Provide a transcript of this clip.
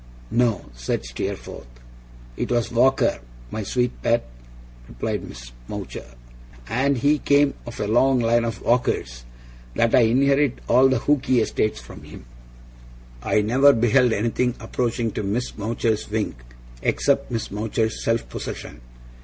'No,' said Steerforth. 'It was Walker, my sweet pet,' replied Miss Mowcher, 'and he came of a long line of Walkers, that I inherit all the Hookey estates from.' I never beheld anything approaching to Miss Mowcher's wink except Miss Mowcher's self possession.